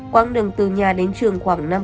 quang đường từ nhà đến trường khoảng năm km